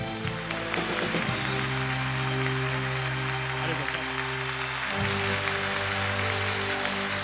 ありがとうございます。